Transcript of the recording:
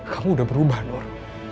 kamu udah berubah nur